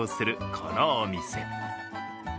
このお店。